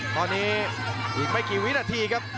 ตอนนี้อีกไม่กี่วินาทีครับ